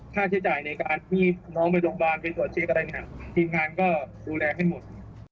ค่าใช้จ่ายในการที่น้องไปโรงพยาบาลไปตรวจเช็คอะไรเนี่ยทีมงานก็ดูแลให้หมด